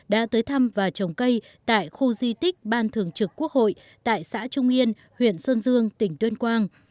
đoàn công tác đã tới thăm và trồng cây tại khu di tích ban thường trực quốc hội tại xã trung yên huyện sơn dương tỉnh tuyên quang